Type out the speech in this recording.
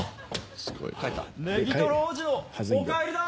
ネギトロ王子のお帰りだ。